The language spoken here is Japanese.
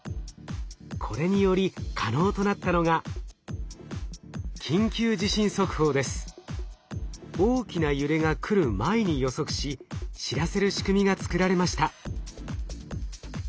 これにより可能となったのが大きな揺れが来る前に予測し知らせる仕組みが作られました。